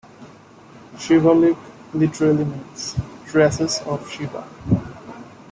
Shivalik literally means 'tresses of Shiva'.